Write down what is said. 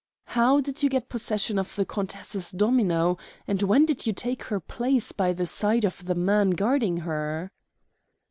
"How did you get possession of the countess's domino, and when did you take her place by the side of the man guarding her?"